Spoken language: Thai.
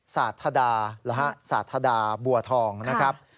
สาธดาหรือฮะสาธาดาบัวทองนะครับ